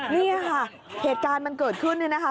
นี่ค่ะเหตุการณ์มันเกิดขึ้นเนี่ยนะคะ